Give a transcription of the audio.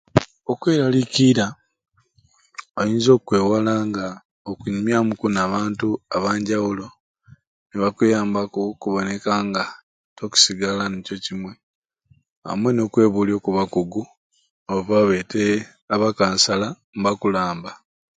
Okwelaliikiira oinza okkwewala nga okunyumyamu ku n'abantu abanjawulo nibakuyambaku okuboneka nga tokusigala nikyo kimwe amwe n'okwebuulya oku bakugu oba beeta aba kansala nibakulamba.